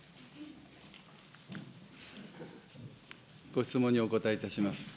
ご質問にお答えいたします。